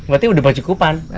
berarti sudah percukupan